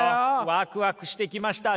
ワクワクしてきました。